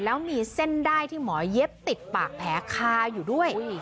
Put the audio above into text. แล้วมีเส้นได้ที่หมอเย็บติดปากแผลคาอยู่ด้วย